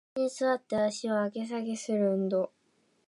イスに座って足を上げ下げする運動